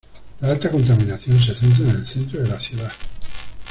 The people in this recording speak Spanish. La alta contaminación se centra en el centro de la ciudad.